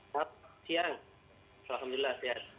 sehat siang alhamdulillah sehat